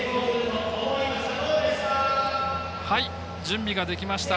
準備ができました。